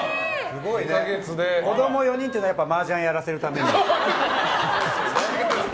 子供４人というのはマージャンやらせるために。